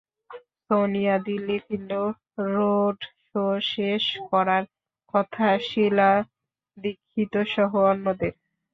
সোনিয়া দিল্লি ফিরলেও road show শেষ করার কথা শীলা দীক্ষিতসহ অন্যদের।